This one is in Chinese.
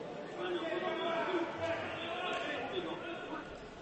同时也是塔吉克总统旗构成的一部分